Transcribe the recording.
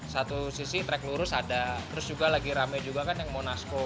satu sisi track lurus ada terus juga lagi rame juga kan yang monasco